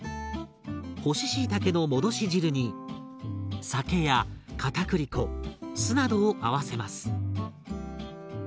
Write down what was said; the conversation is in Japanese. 干ししいたけの戻し汁に酒やかたくり粉酢などを合わせます。